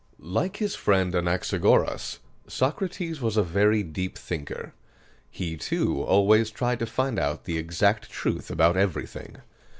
Like his friend Anaxagoras, Socrates was a very deep thinker. He, too, always tried to find out the exact truth about everything.